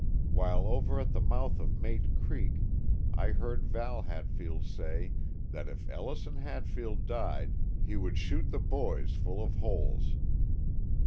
While over at the mouth of Mate Creek I heard Val Hatfield say that if Ellison Hatfield died, he would shoot the boys full of holes.